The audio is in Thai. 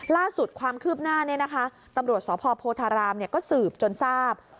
ล่าสุดความคืบหน้าตำรวจสพโพธารามก็สืบจนทราบ